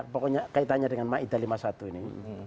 pokoknya kaitannya dengan maida lima puluh satu ini